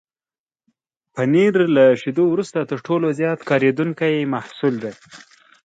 پنېر له شيدو وروسته تر ټولو زیات کارېدونکی محصول دی.